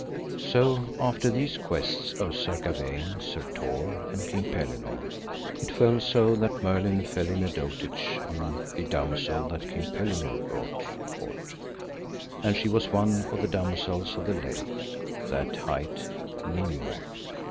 So after these quests of Sir Gawaine, Sir Tor, and King Pellinore, it fell so that Merlin fell in a dotage on the damosel that King Pellinore brought to court, and she was one of the damosels of the lake, that hight Nimue.